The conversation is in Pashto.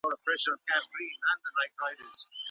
ناوي ته جوړې او سوغاتونه مه وړئ.